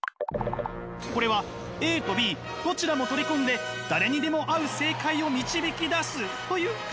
これはＡとＢどちらも取り込んで誰にでも合う正解を導き出すという考え方。